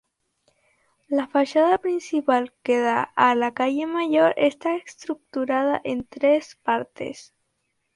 La fachada principal, que da a la calle mayor, está estructurada en tres partes.